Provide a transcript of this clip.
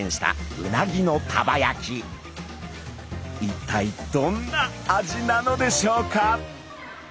一体どんな味なのでしょうか？